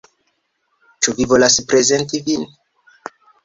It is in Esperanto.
Ĉu vi volas prezenti vin?